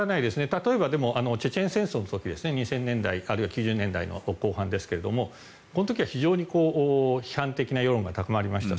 例えば、チェチェン戦争の時２０００年代、あるいは９０年代後半ですがこの時は非常に批判的な世論が高まりました。